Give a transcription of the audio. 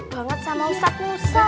banget sama ustaz